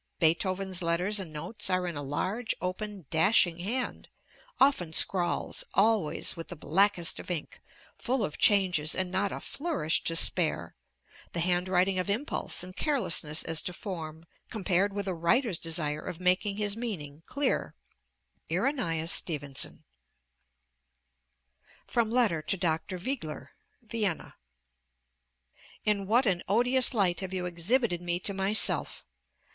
Beethoven's letters and notes are in a large, open, dashing hand, often scrawls, always with the blackest of ink, full of changes, and not a flourish to spare the handwriting of impulse and carelessness as to form, compared with a writer's desire of making his meaning clear. [Illustration: Signature: E. IRENÆUS STEVENSON] FROM LETTER TO DR. WEGELER, VIENNA In what an odious light have you exhibited me to myself!